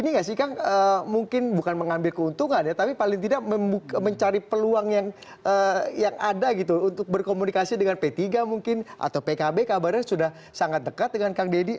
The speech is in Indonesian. ini nggak sih kang mungkin bukan mengambil keuntungan ya tapi paling tidak mencari peluang yang ada gitu untuk berkomunikasi dengan p tiga mungkin atau pkb kabarnya sudah sangat dekat dengan kang deddy